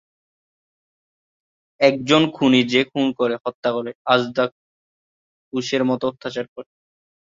একজন খুনী, যে খুন করে, হত্যা করে, আজদা-কুশের মত অত্যাচার করে।